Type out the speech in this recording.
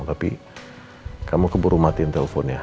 tapi kamu keburu matiin telponnya